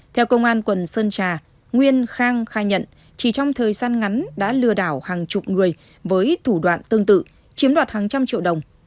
theo công an quận sơn trà nguyên khang khai nhận chỉ trong thời gian ngắn đã lừa đảo hàng chục người với thủ đoạn tương tự chiếm đoạt hàng trăm triệu đồng